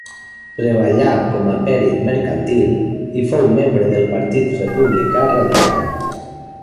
Treballà com a pèrit mercantil i fou membre del Partit Republicà Radical.